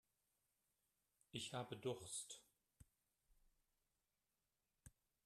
Ich habe Durst.